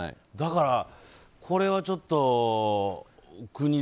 だから、これはちょっと国。